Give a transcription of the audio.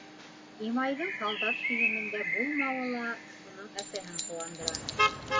Имайҙың һалдат кейемендә булмауы ла уның әсәһен ҡыуандыра.